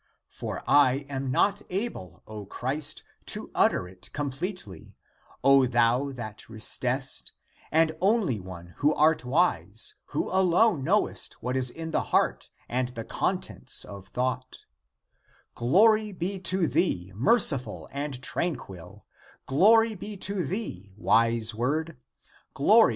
For I am not able, O Christ, to utter it com pletely, O thou that restest and only One who art wise, who alone knowest what is in the heart and the contents of thought; — glory be to thee, merci ful and tranquil ; glory be to thee, wise word ; glory 6 Comp.